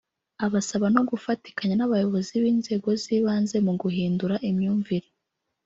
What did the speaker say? abasaba no gufatikanya n’abayobozi b’inzego z’ibanze mu guhindura imyumvire